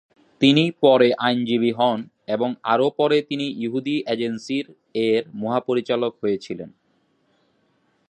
তিনি পরে আইনজীবী হন এবং আরও পরে তিনি ইহুদি এজেন্সির এর মহাপরিচালক হয়েছিলেন।